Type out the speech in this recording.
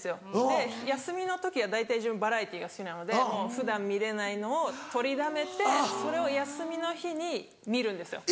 で休みの時は大体自分バラエティーが好きなので普段見れないのをとりだめてそれを休みの日に見るんですよ。